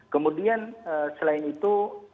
kemudian selain itu